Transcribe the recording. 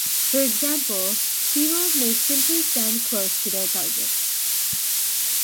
For example, females may simply stand close to their target.